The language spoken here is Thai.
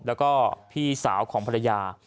แล้วก็พี่สาวของภรรยา